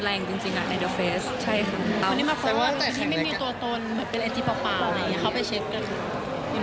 เป็นฝรั่งอะไรอย่างนี้